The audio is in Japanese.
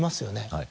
はい。